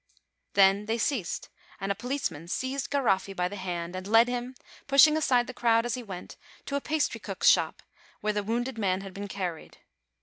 Then they ceased, and a policeman seized Garoffi by the hand and led him, pushing aside the crowd as he went, to a pastry cook's shop, where the wounded man had been carried.